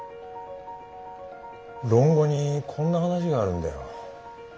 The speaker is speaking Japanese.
「論語」にこんな話があるんだよ。